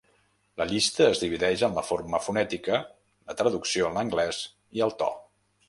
La llista es divideix en la forma fonètica, la traducció en anglès i el to.